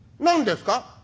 「何ですか？」。